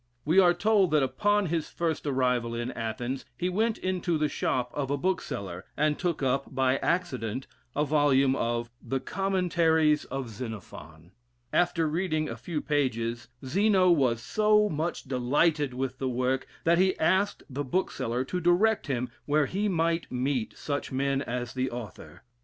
We are told that upon is first arrival in Athens, he went into the shop of a bookseller, and took up, by accident, a volume of the "Commentaries of Xenophon." Alter reading a few pages, Zeno was so much delighted with the work, that he asked the bookseller to direct him where he might meet such men as the author?